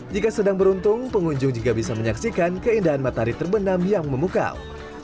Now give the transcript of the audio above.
jika sedang beruntung pengunjung juga bisa menyaksikan keindahan matahari terbenam yang memukau